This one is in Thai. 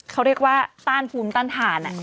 เขาเรียกว่าต้านภูมิต้านทาน